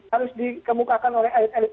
harus dikemukakan oleh elit elit